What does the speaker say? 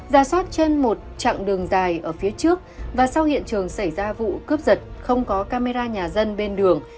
ra soát trên một chặng đường dài ở phía trước và sau hiện trường xảy ra vụ cướp giật không có camera nhà dân bên đường